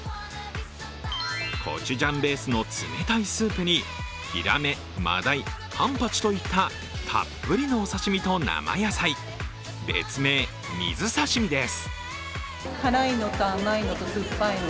コチュジャンベースの冷たいスープにヒラメ、マダイ、カンパチといったたっぷりのお刺身と生野菜、別名・水刺身です。